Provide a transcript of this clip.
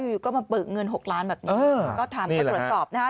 อยู่ก็มาเบิกเงิน๖ล้านแบบนี้ก็ทำให้ตรวจสอบนะฮะ